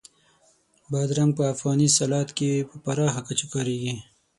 بادرنګ په افغاني سالاد کې په پراخه کچه کارېږي.